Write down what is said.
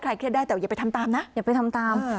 เครียดได้แต่อย่าไปทำตามนะอย่าไปทำตาม